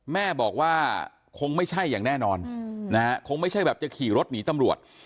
แม่บอกว่าคงไม่ใช่อย่างแน่นอนนะฮะคงไม่ใช่แบบจะขี่รถหนีตำรวจ